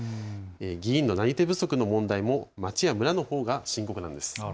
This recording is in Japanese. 議員のなり手不足の問題も町や村のほうが深刻なんです。